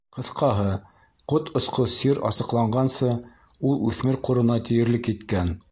Ҡыҫҡаһы, ҡот осҡос сир асыҡланғансы, ул үҫмер ҡорона тиерлек еткән.